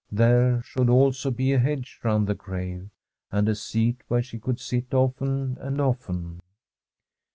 There should also be a hedge round the grave, and a seat where she could sit often and often.